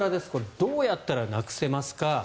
どうやったらなくせますか。